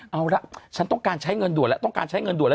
เอาล่ะฉันต้องการใช้เงินด่วนแล้วต้องการใช้เงินด่วนแล้ว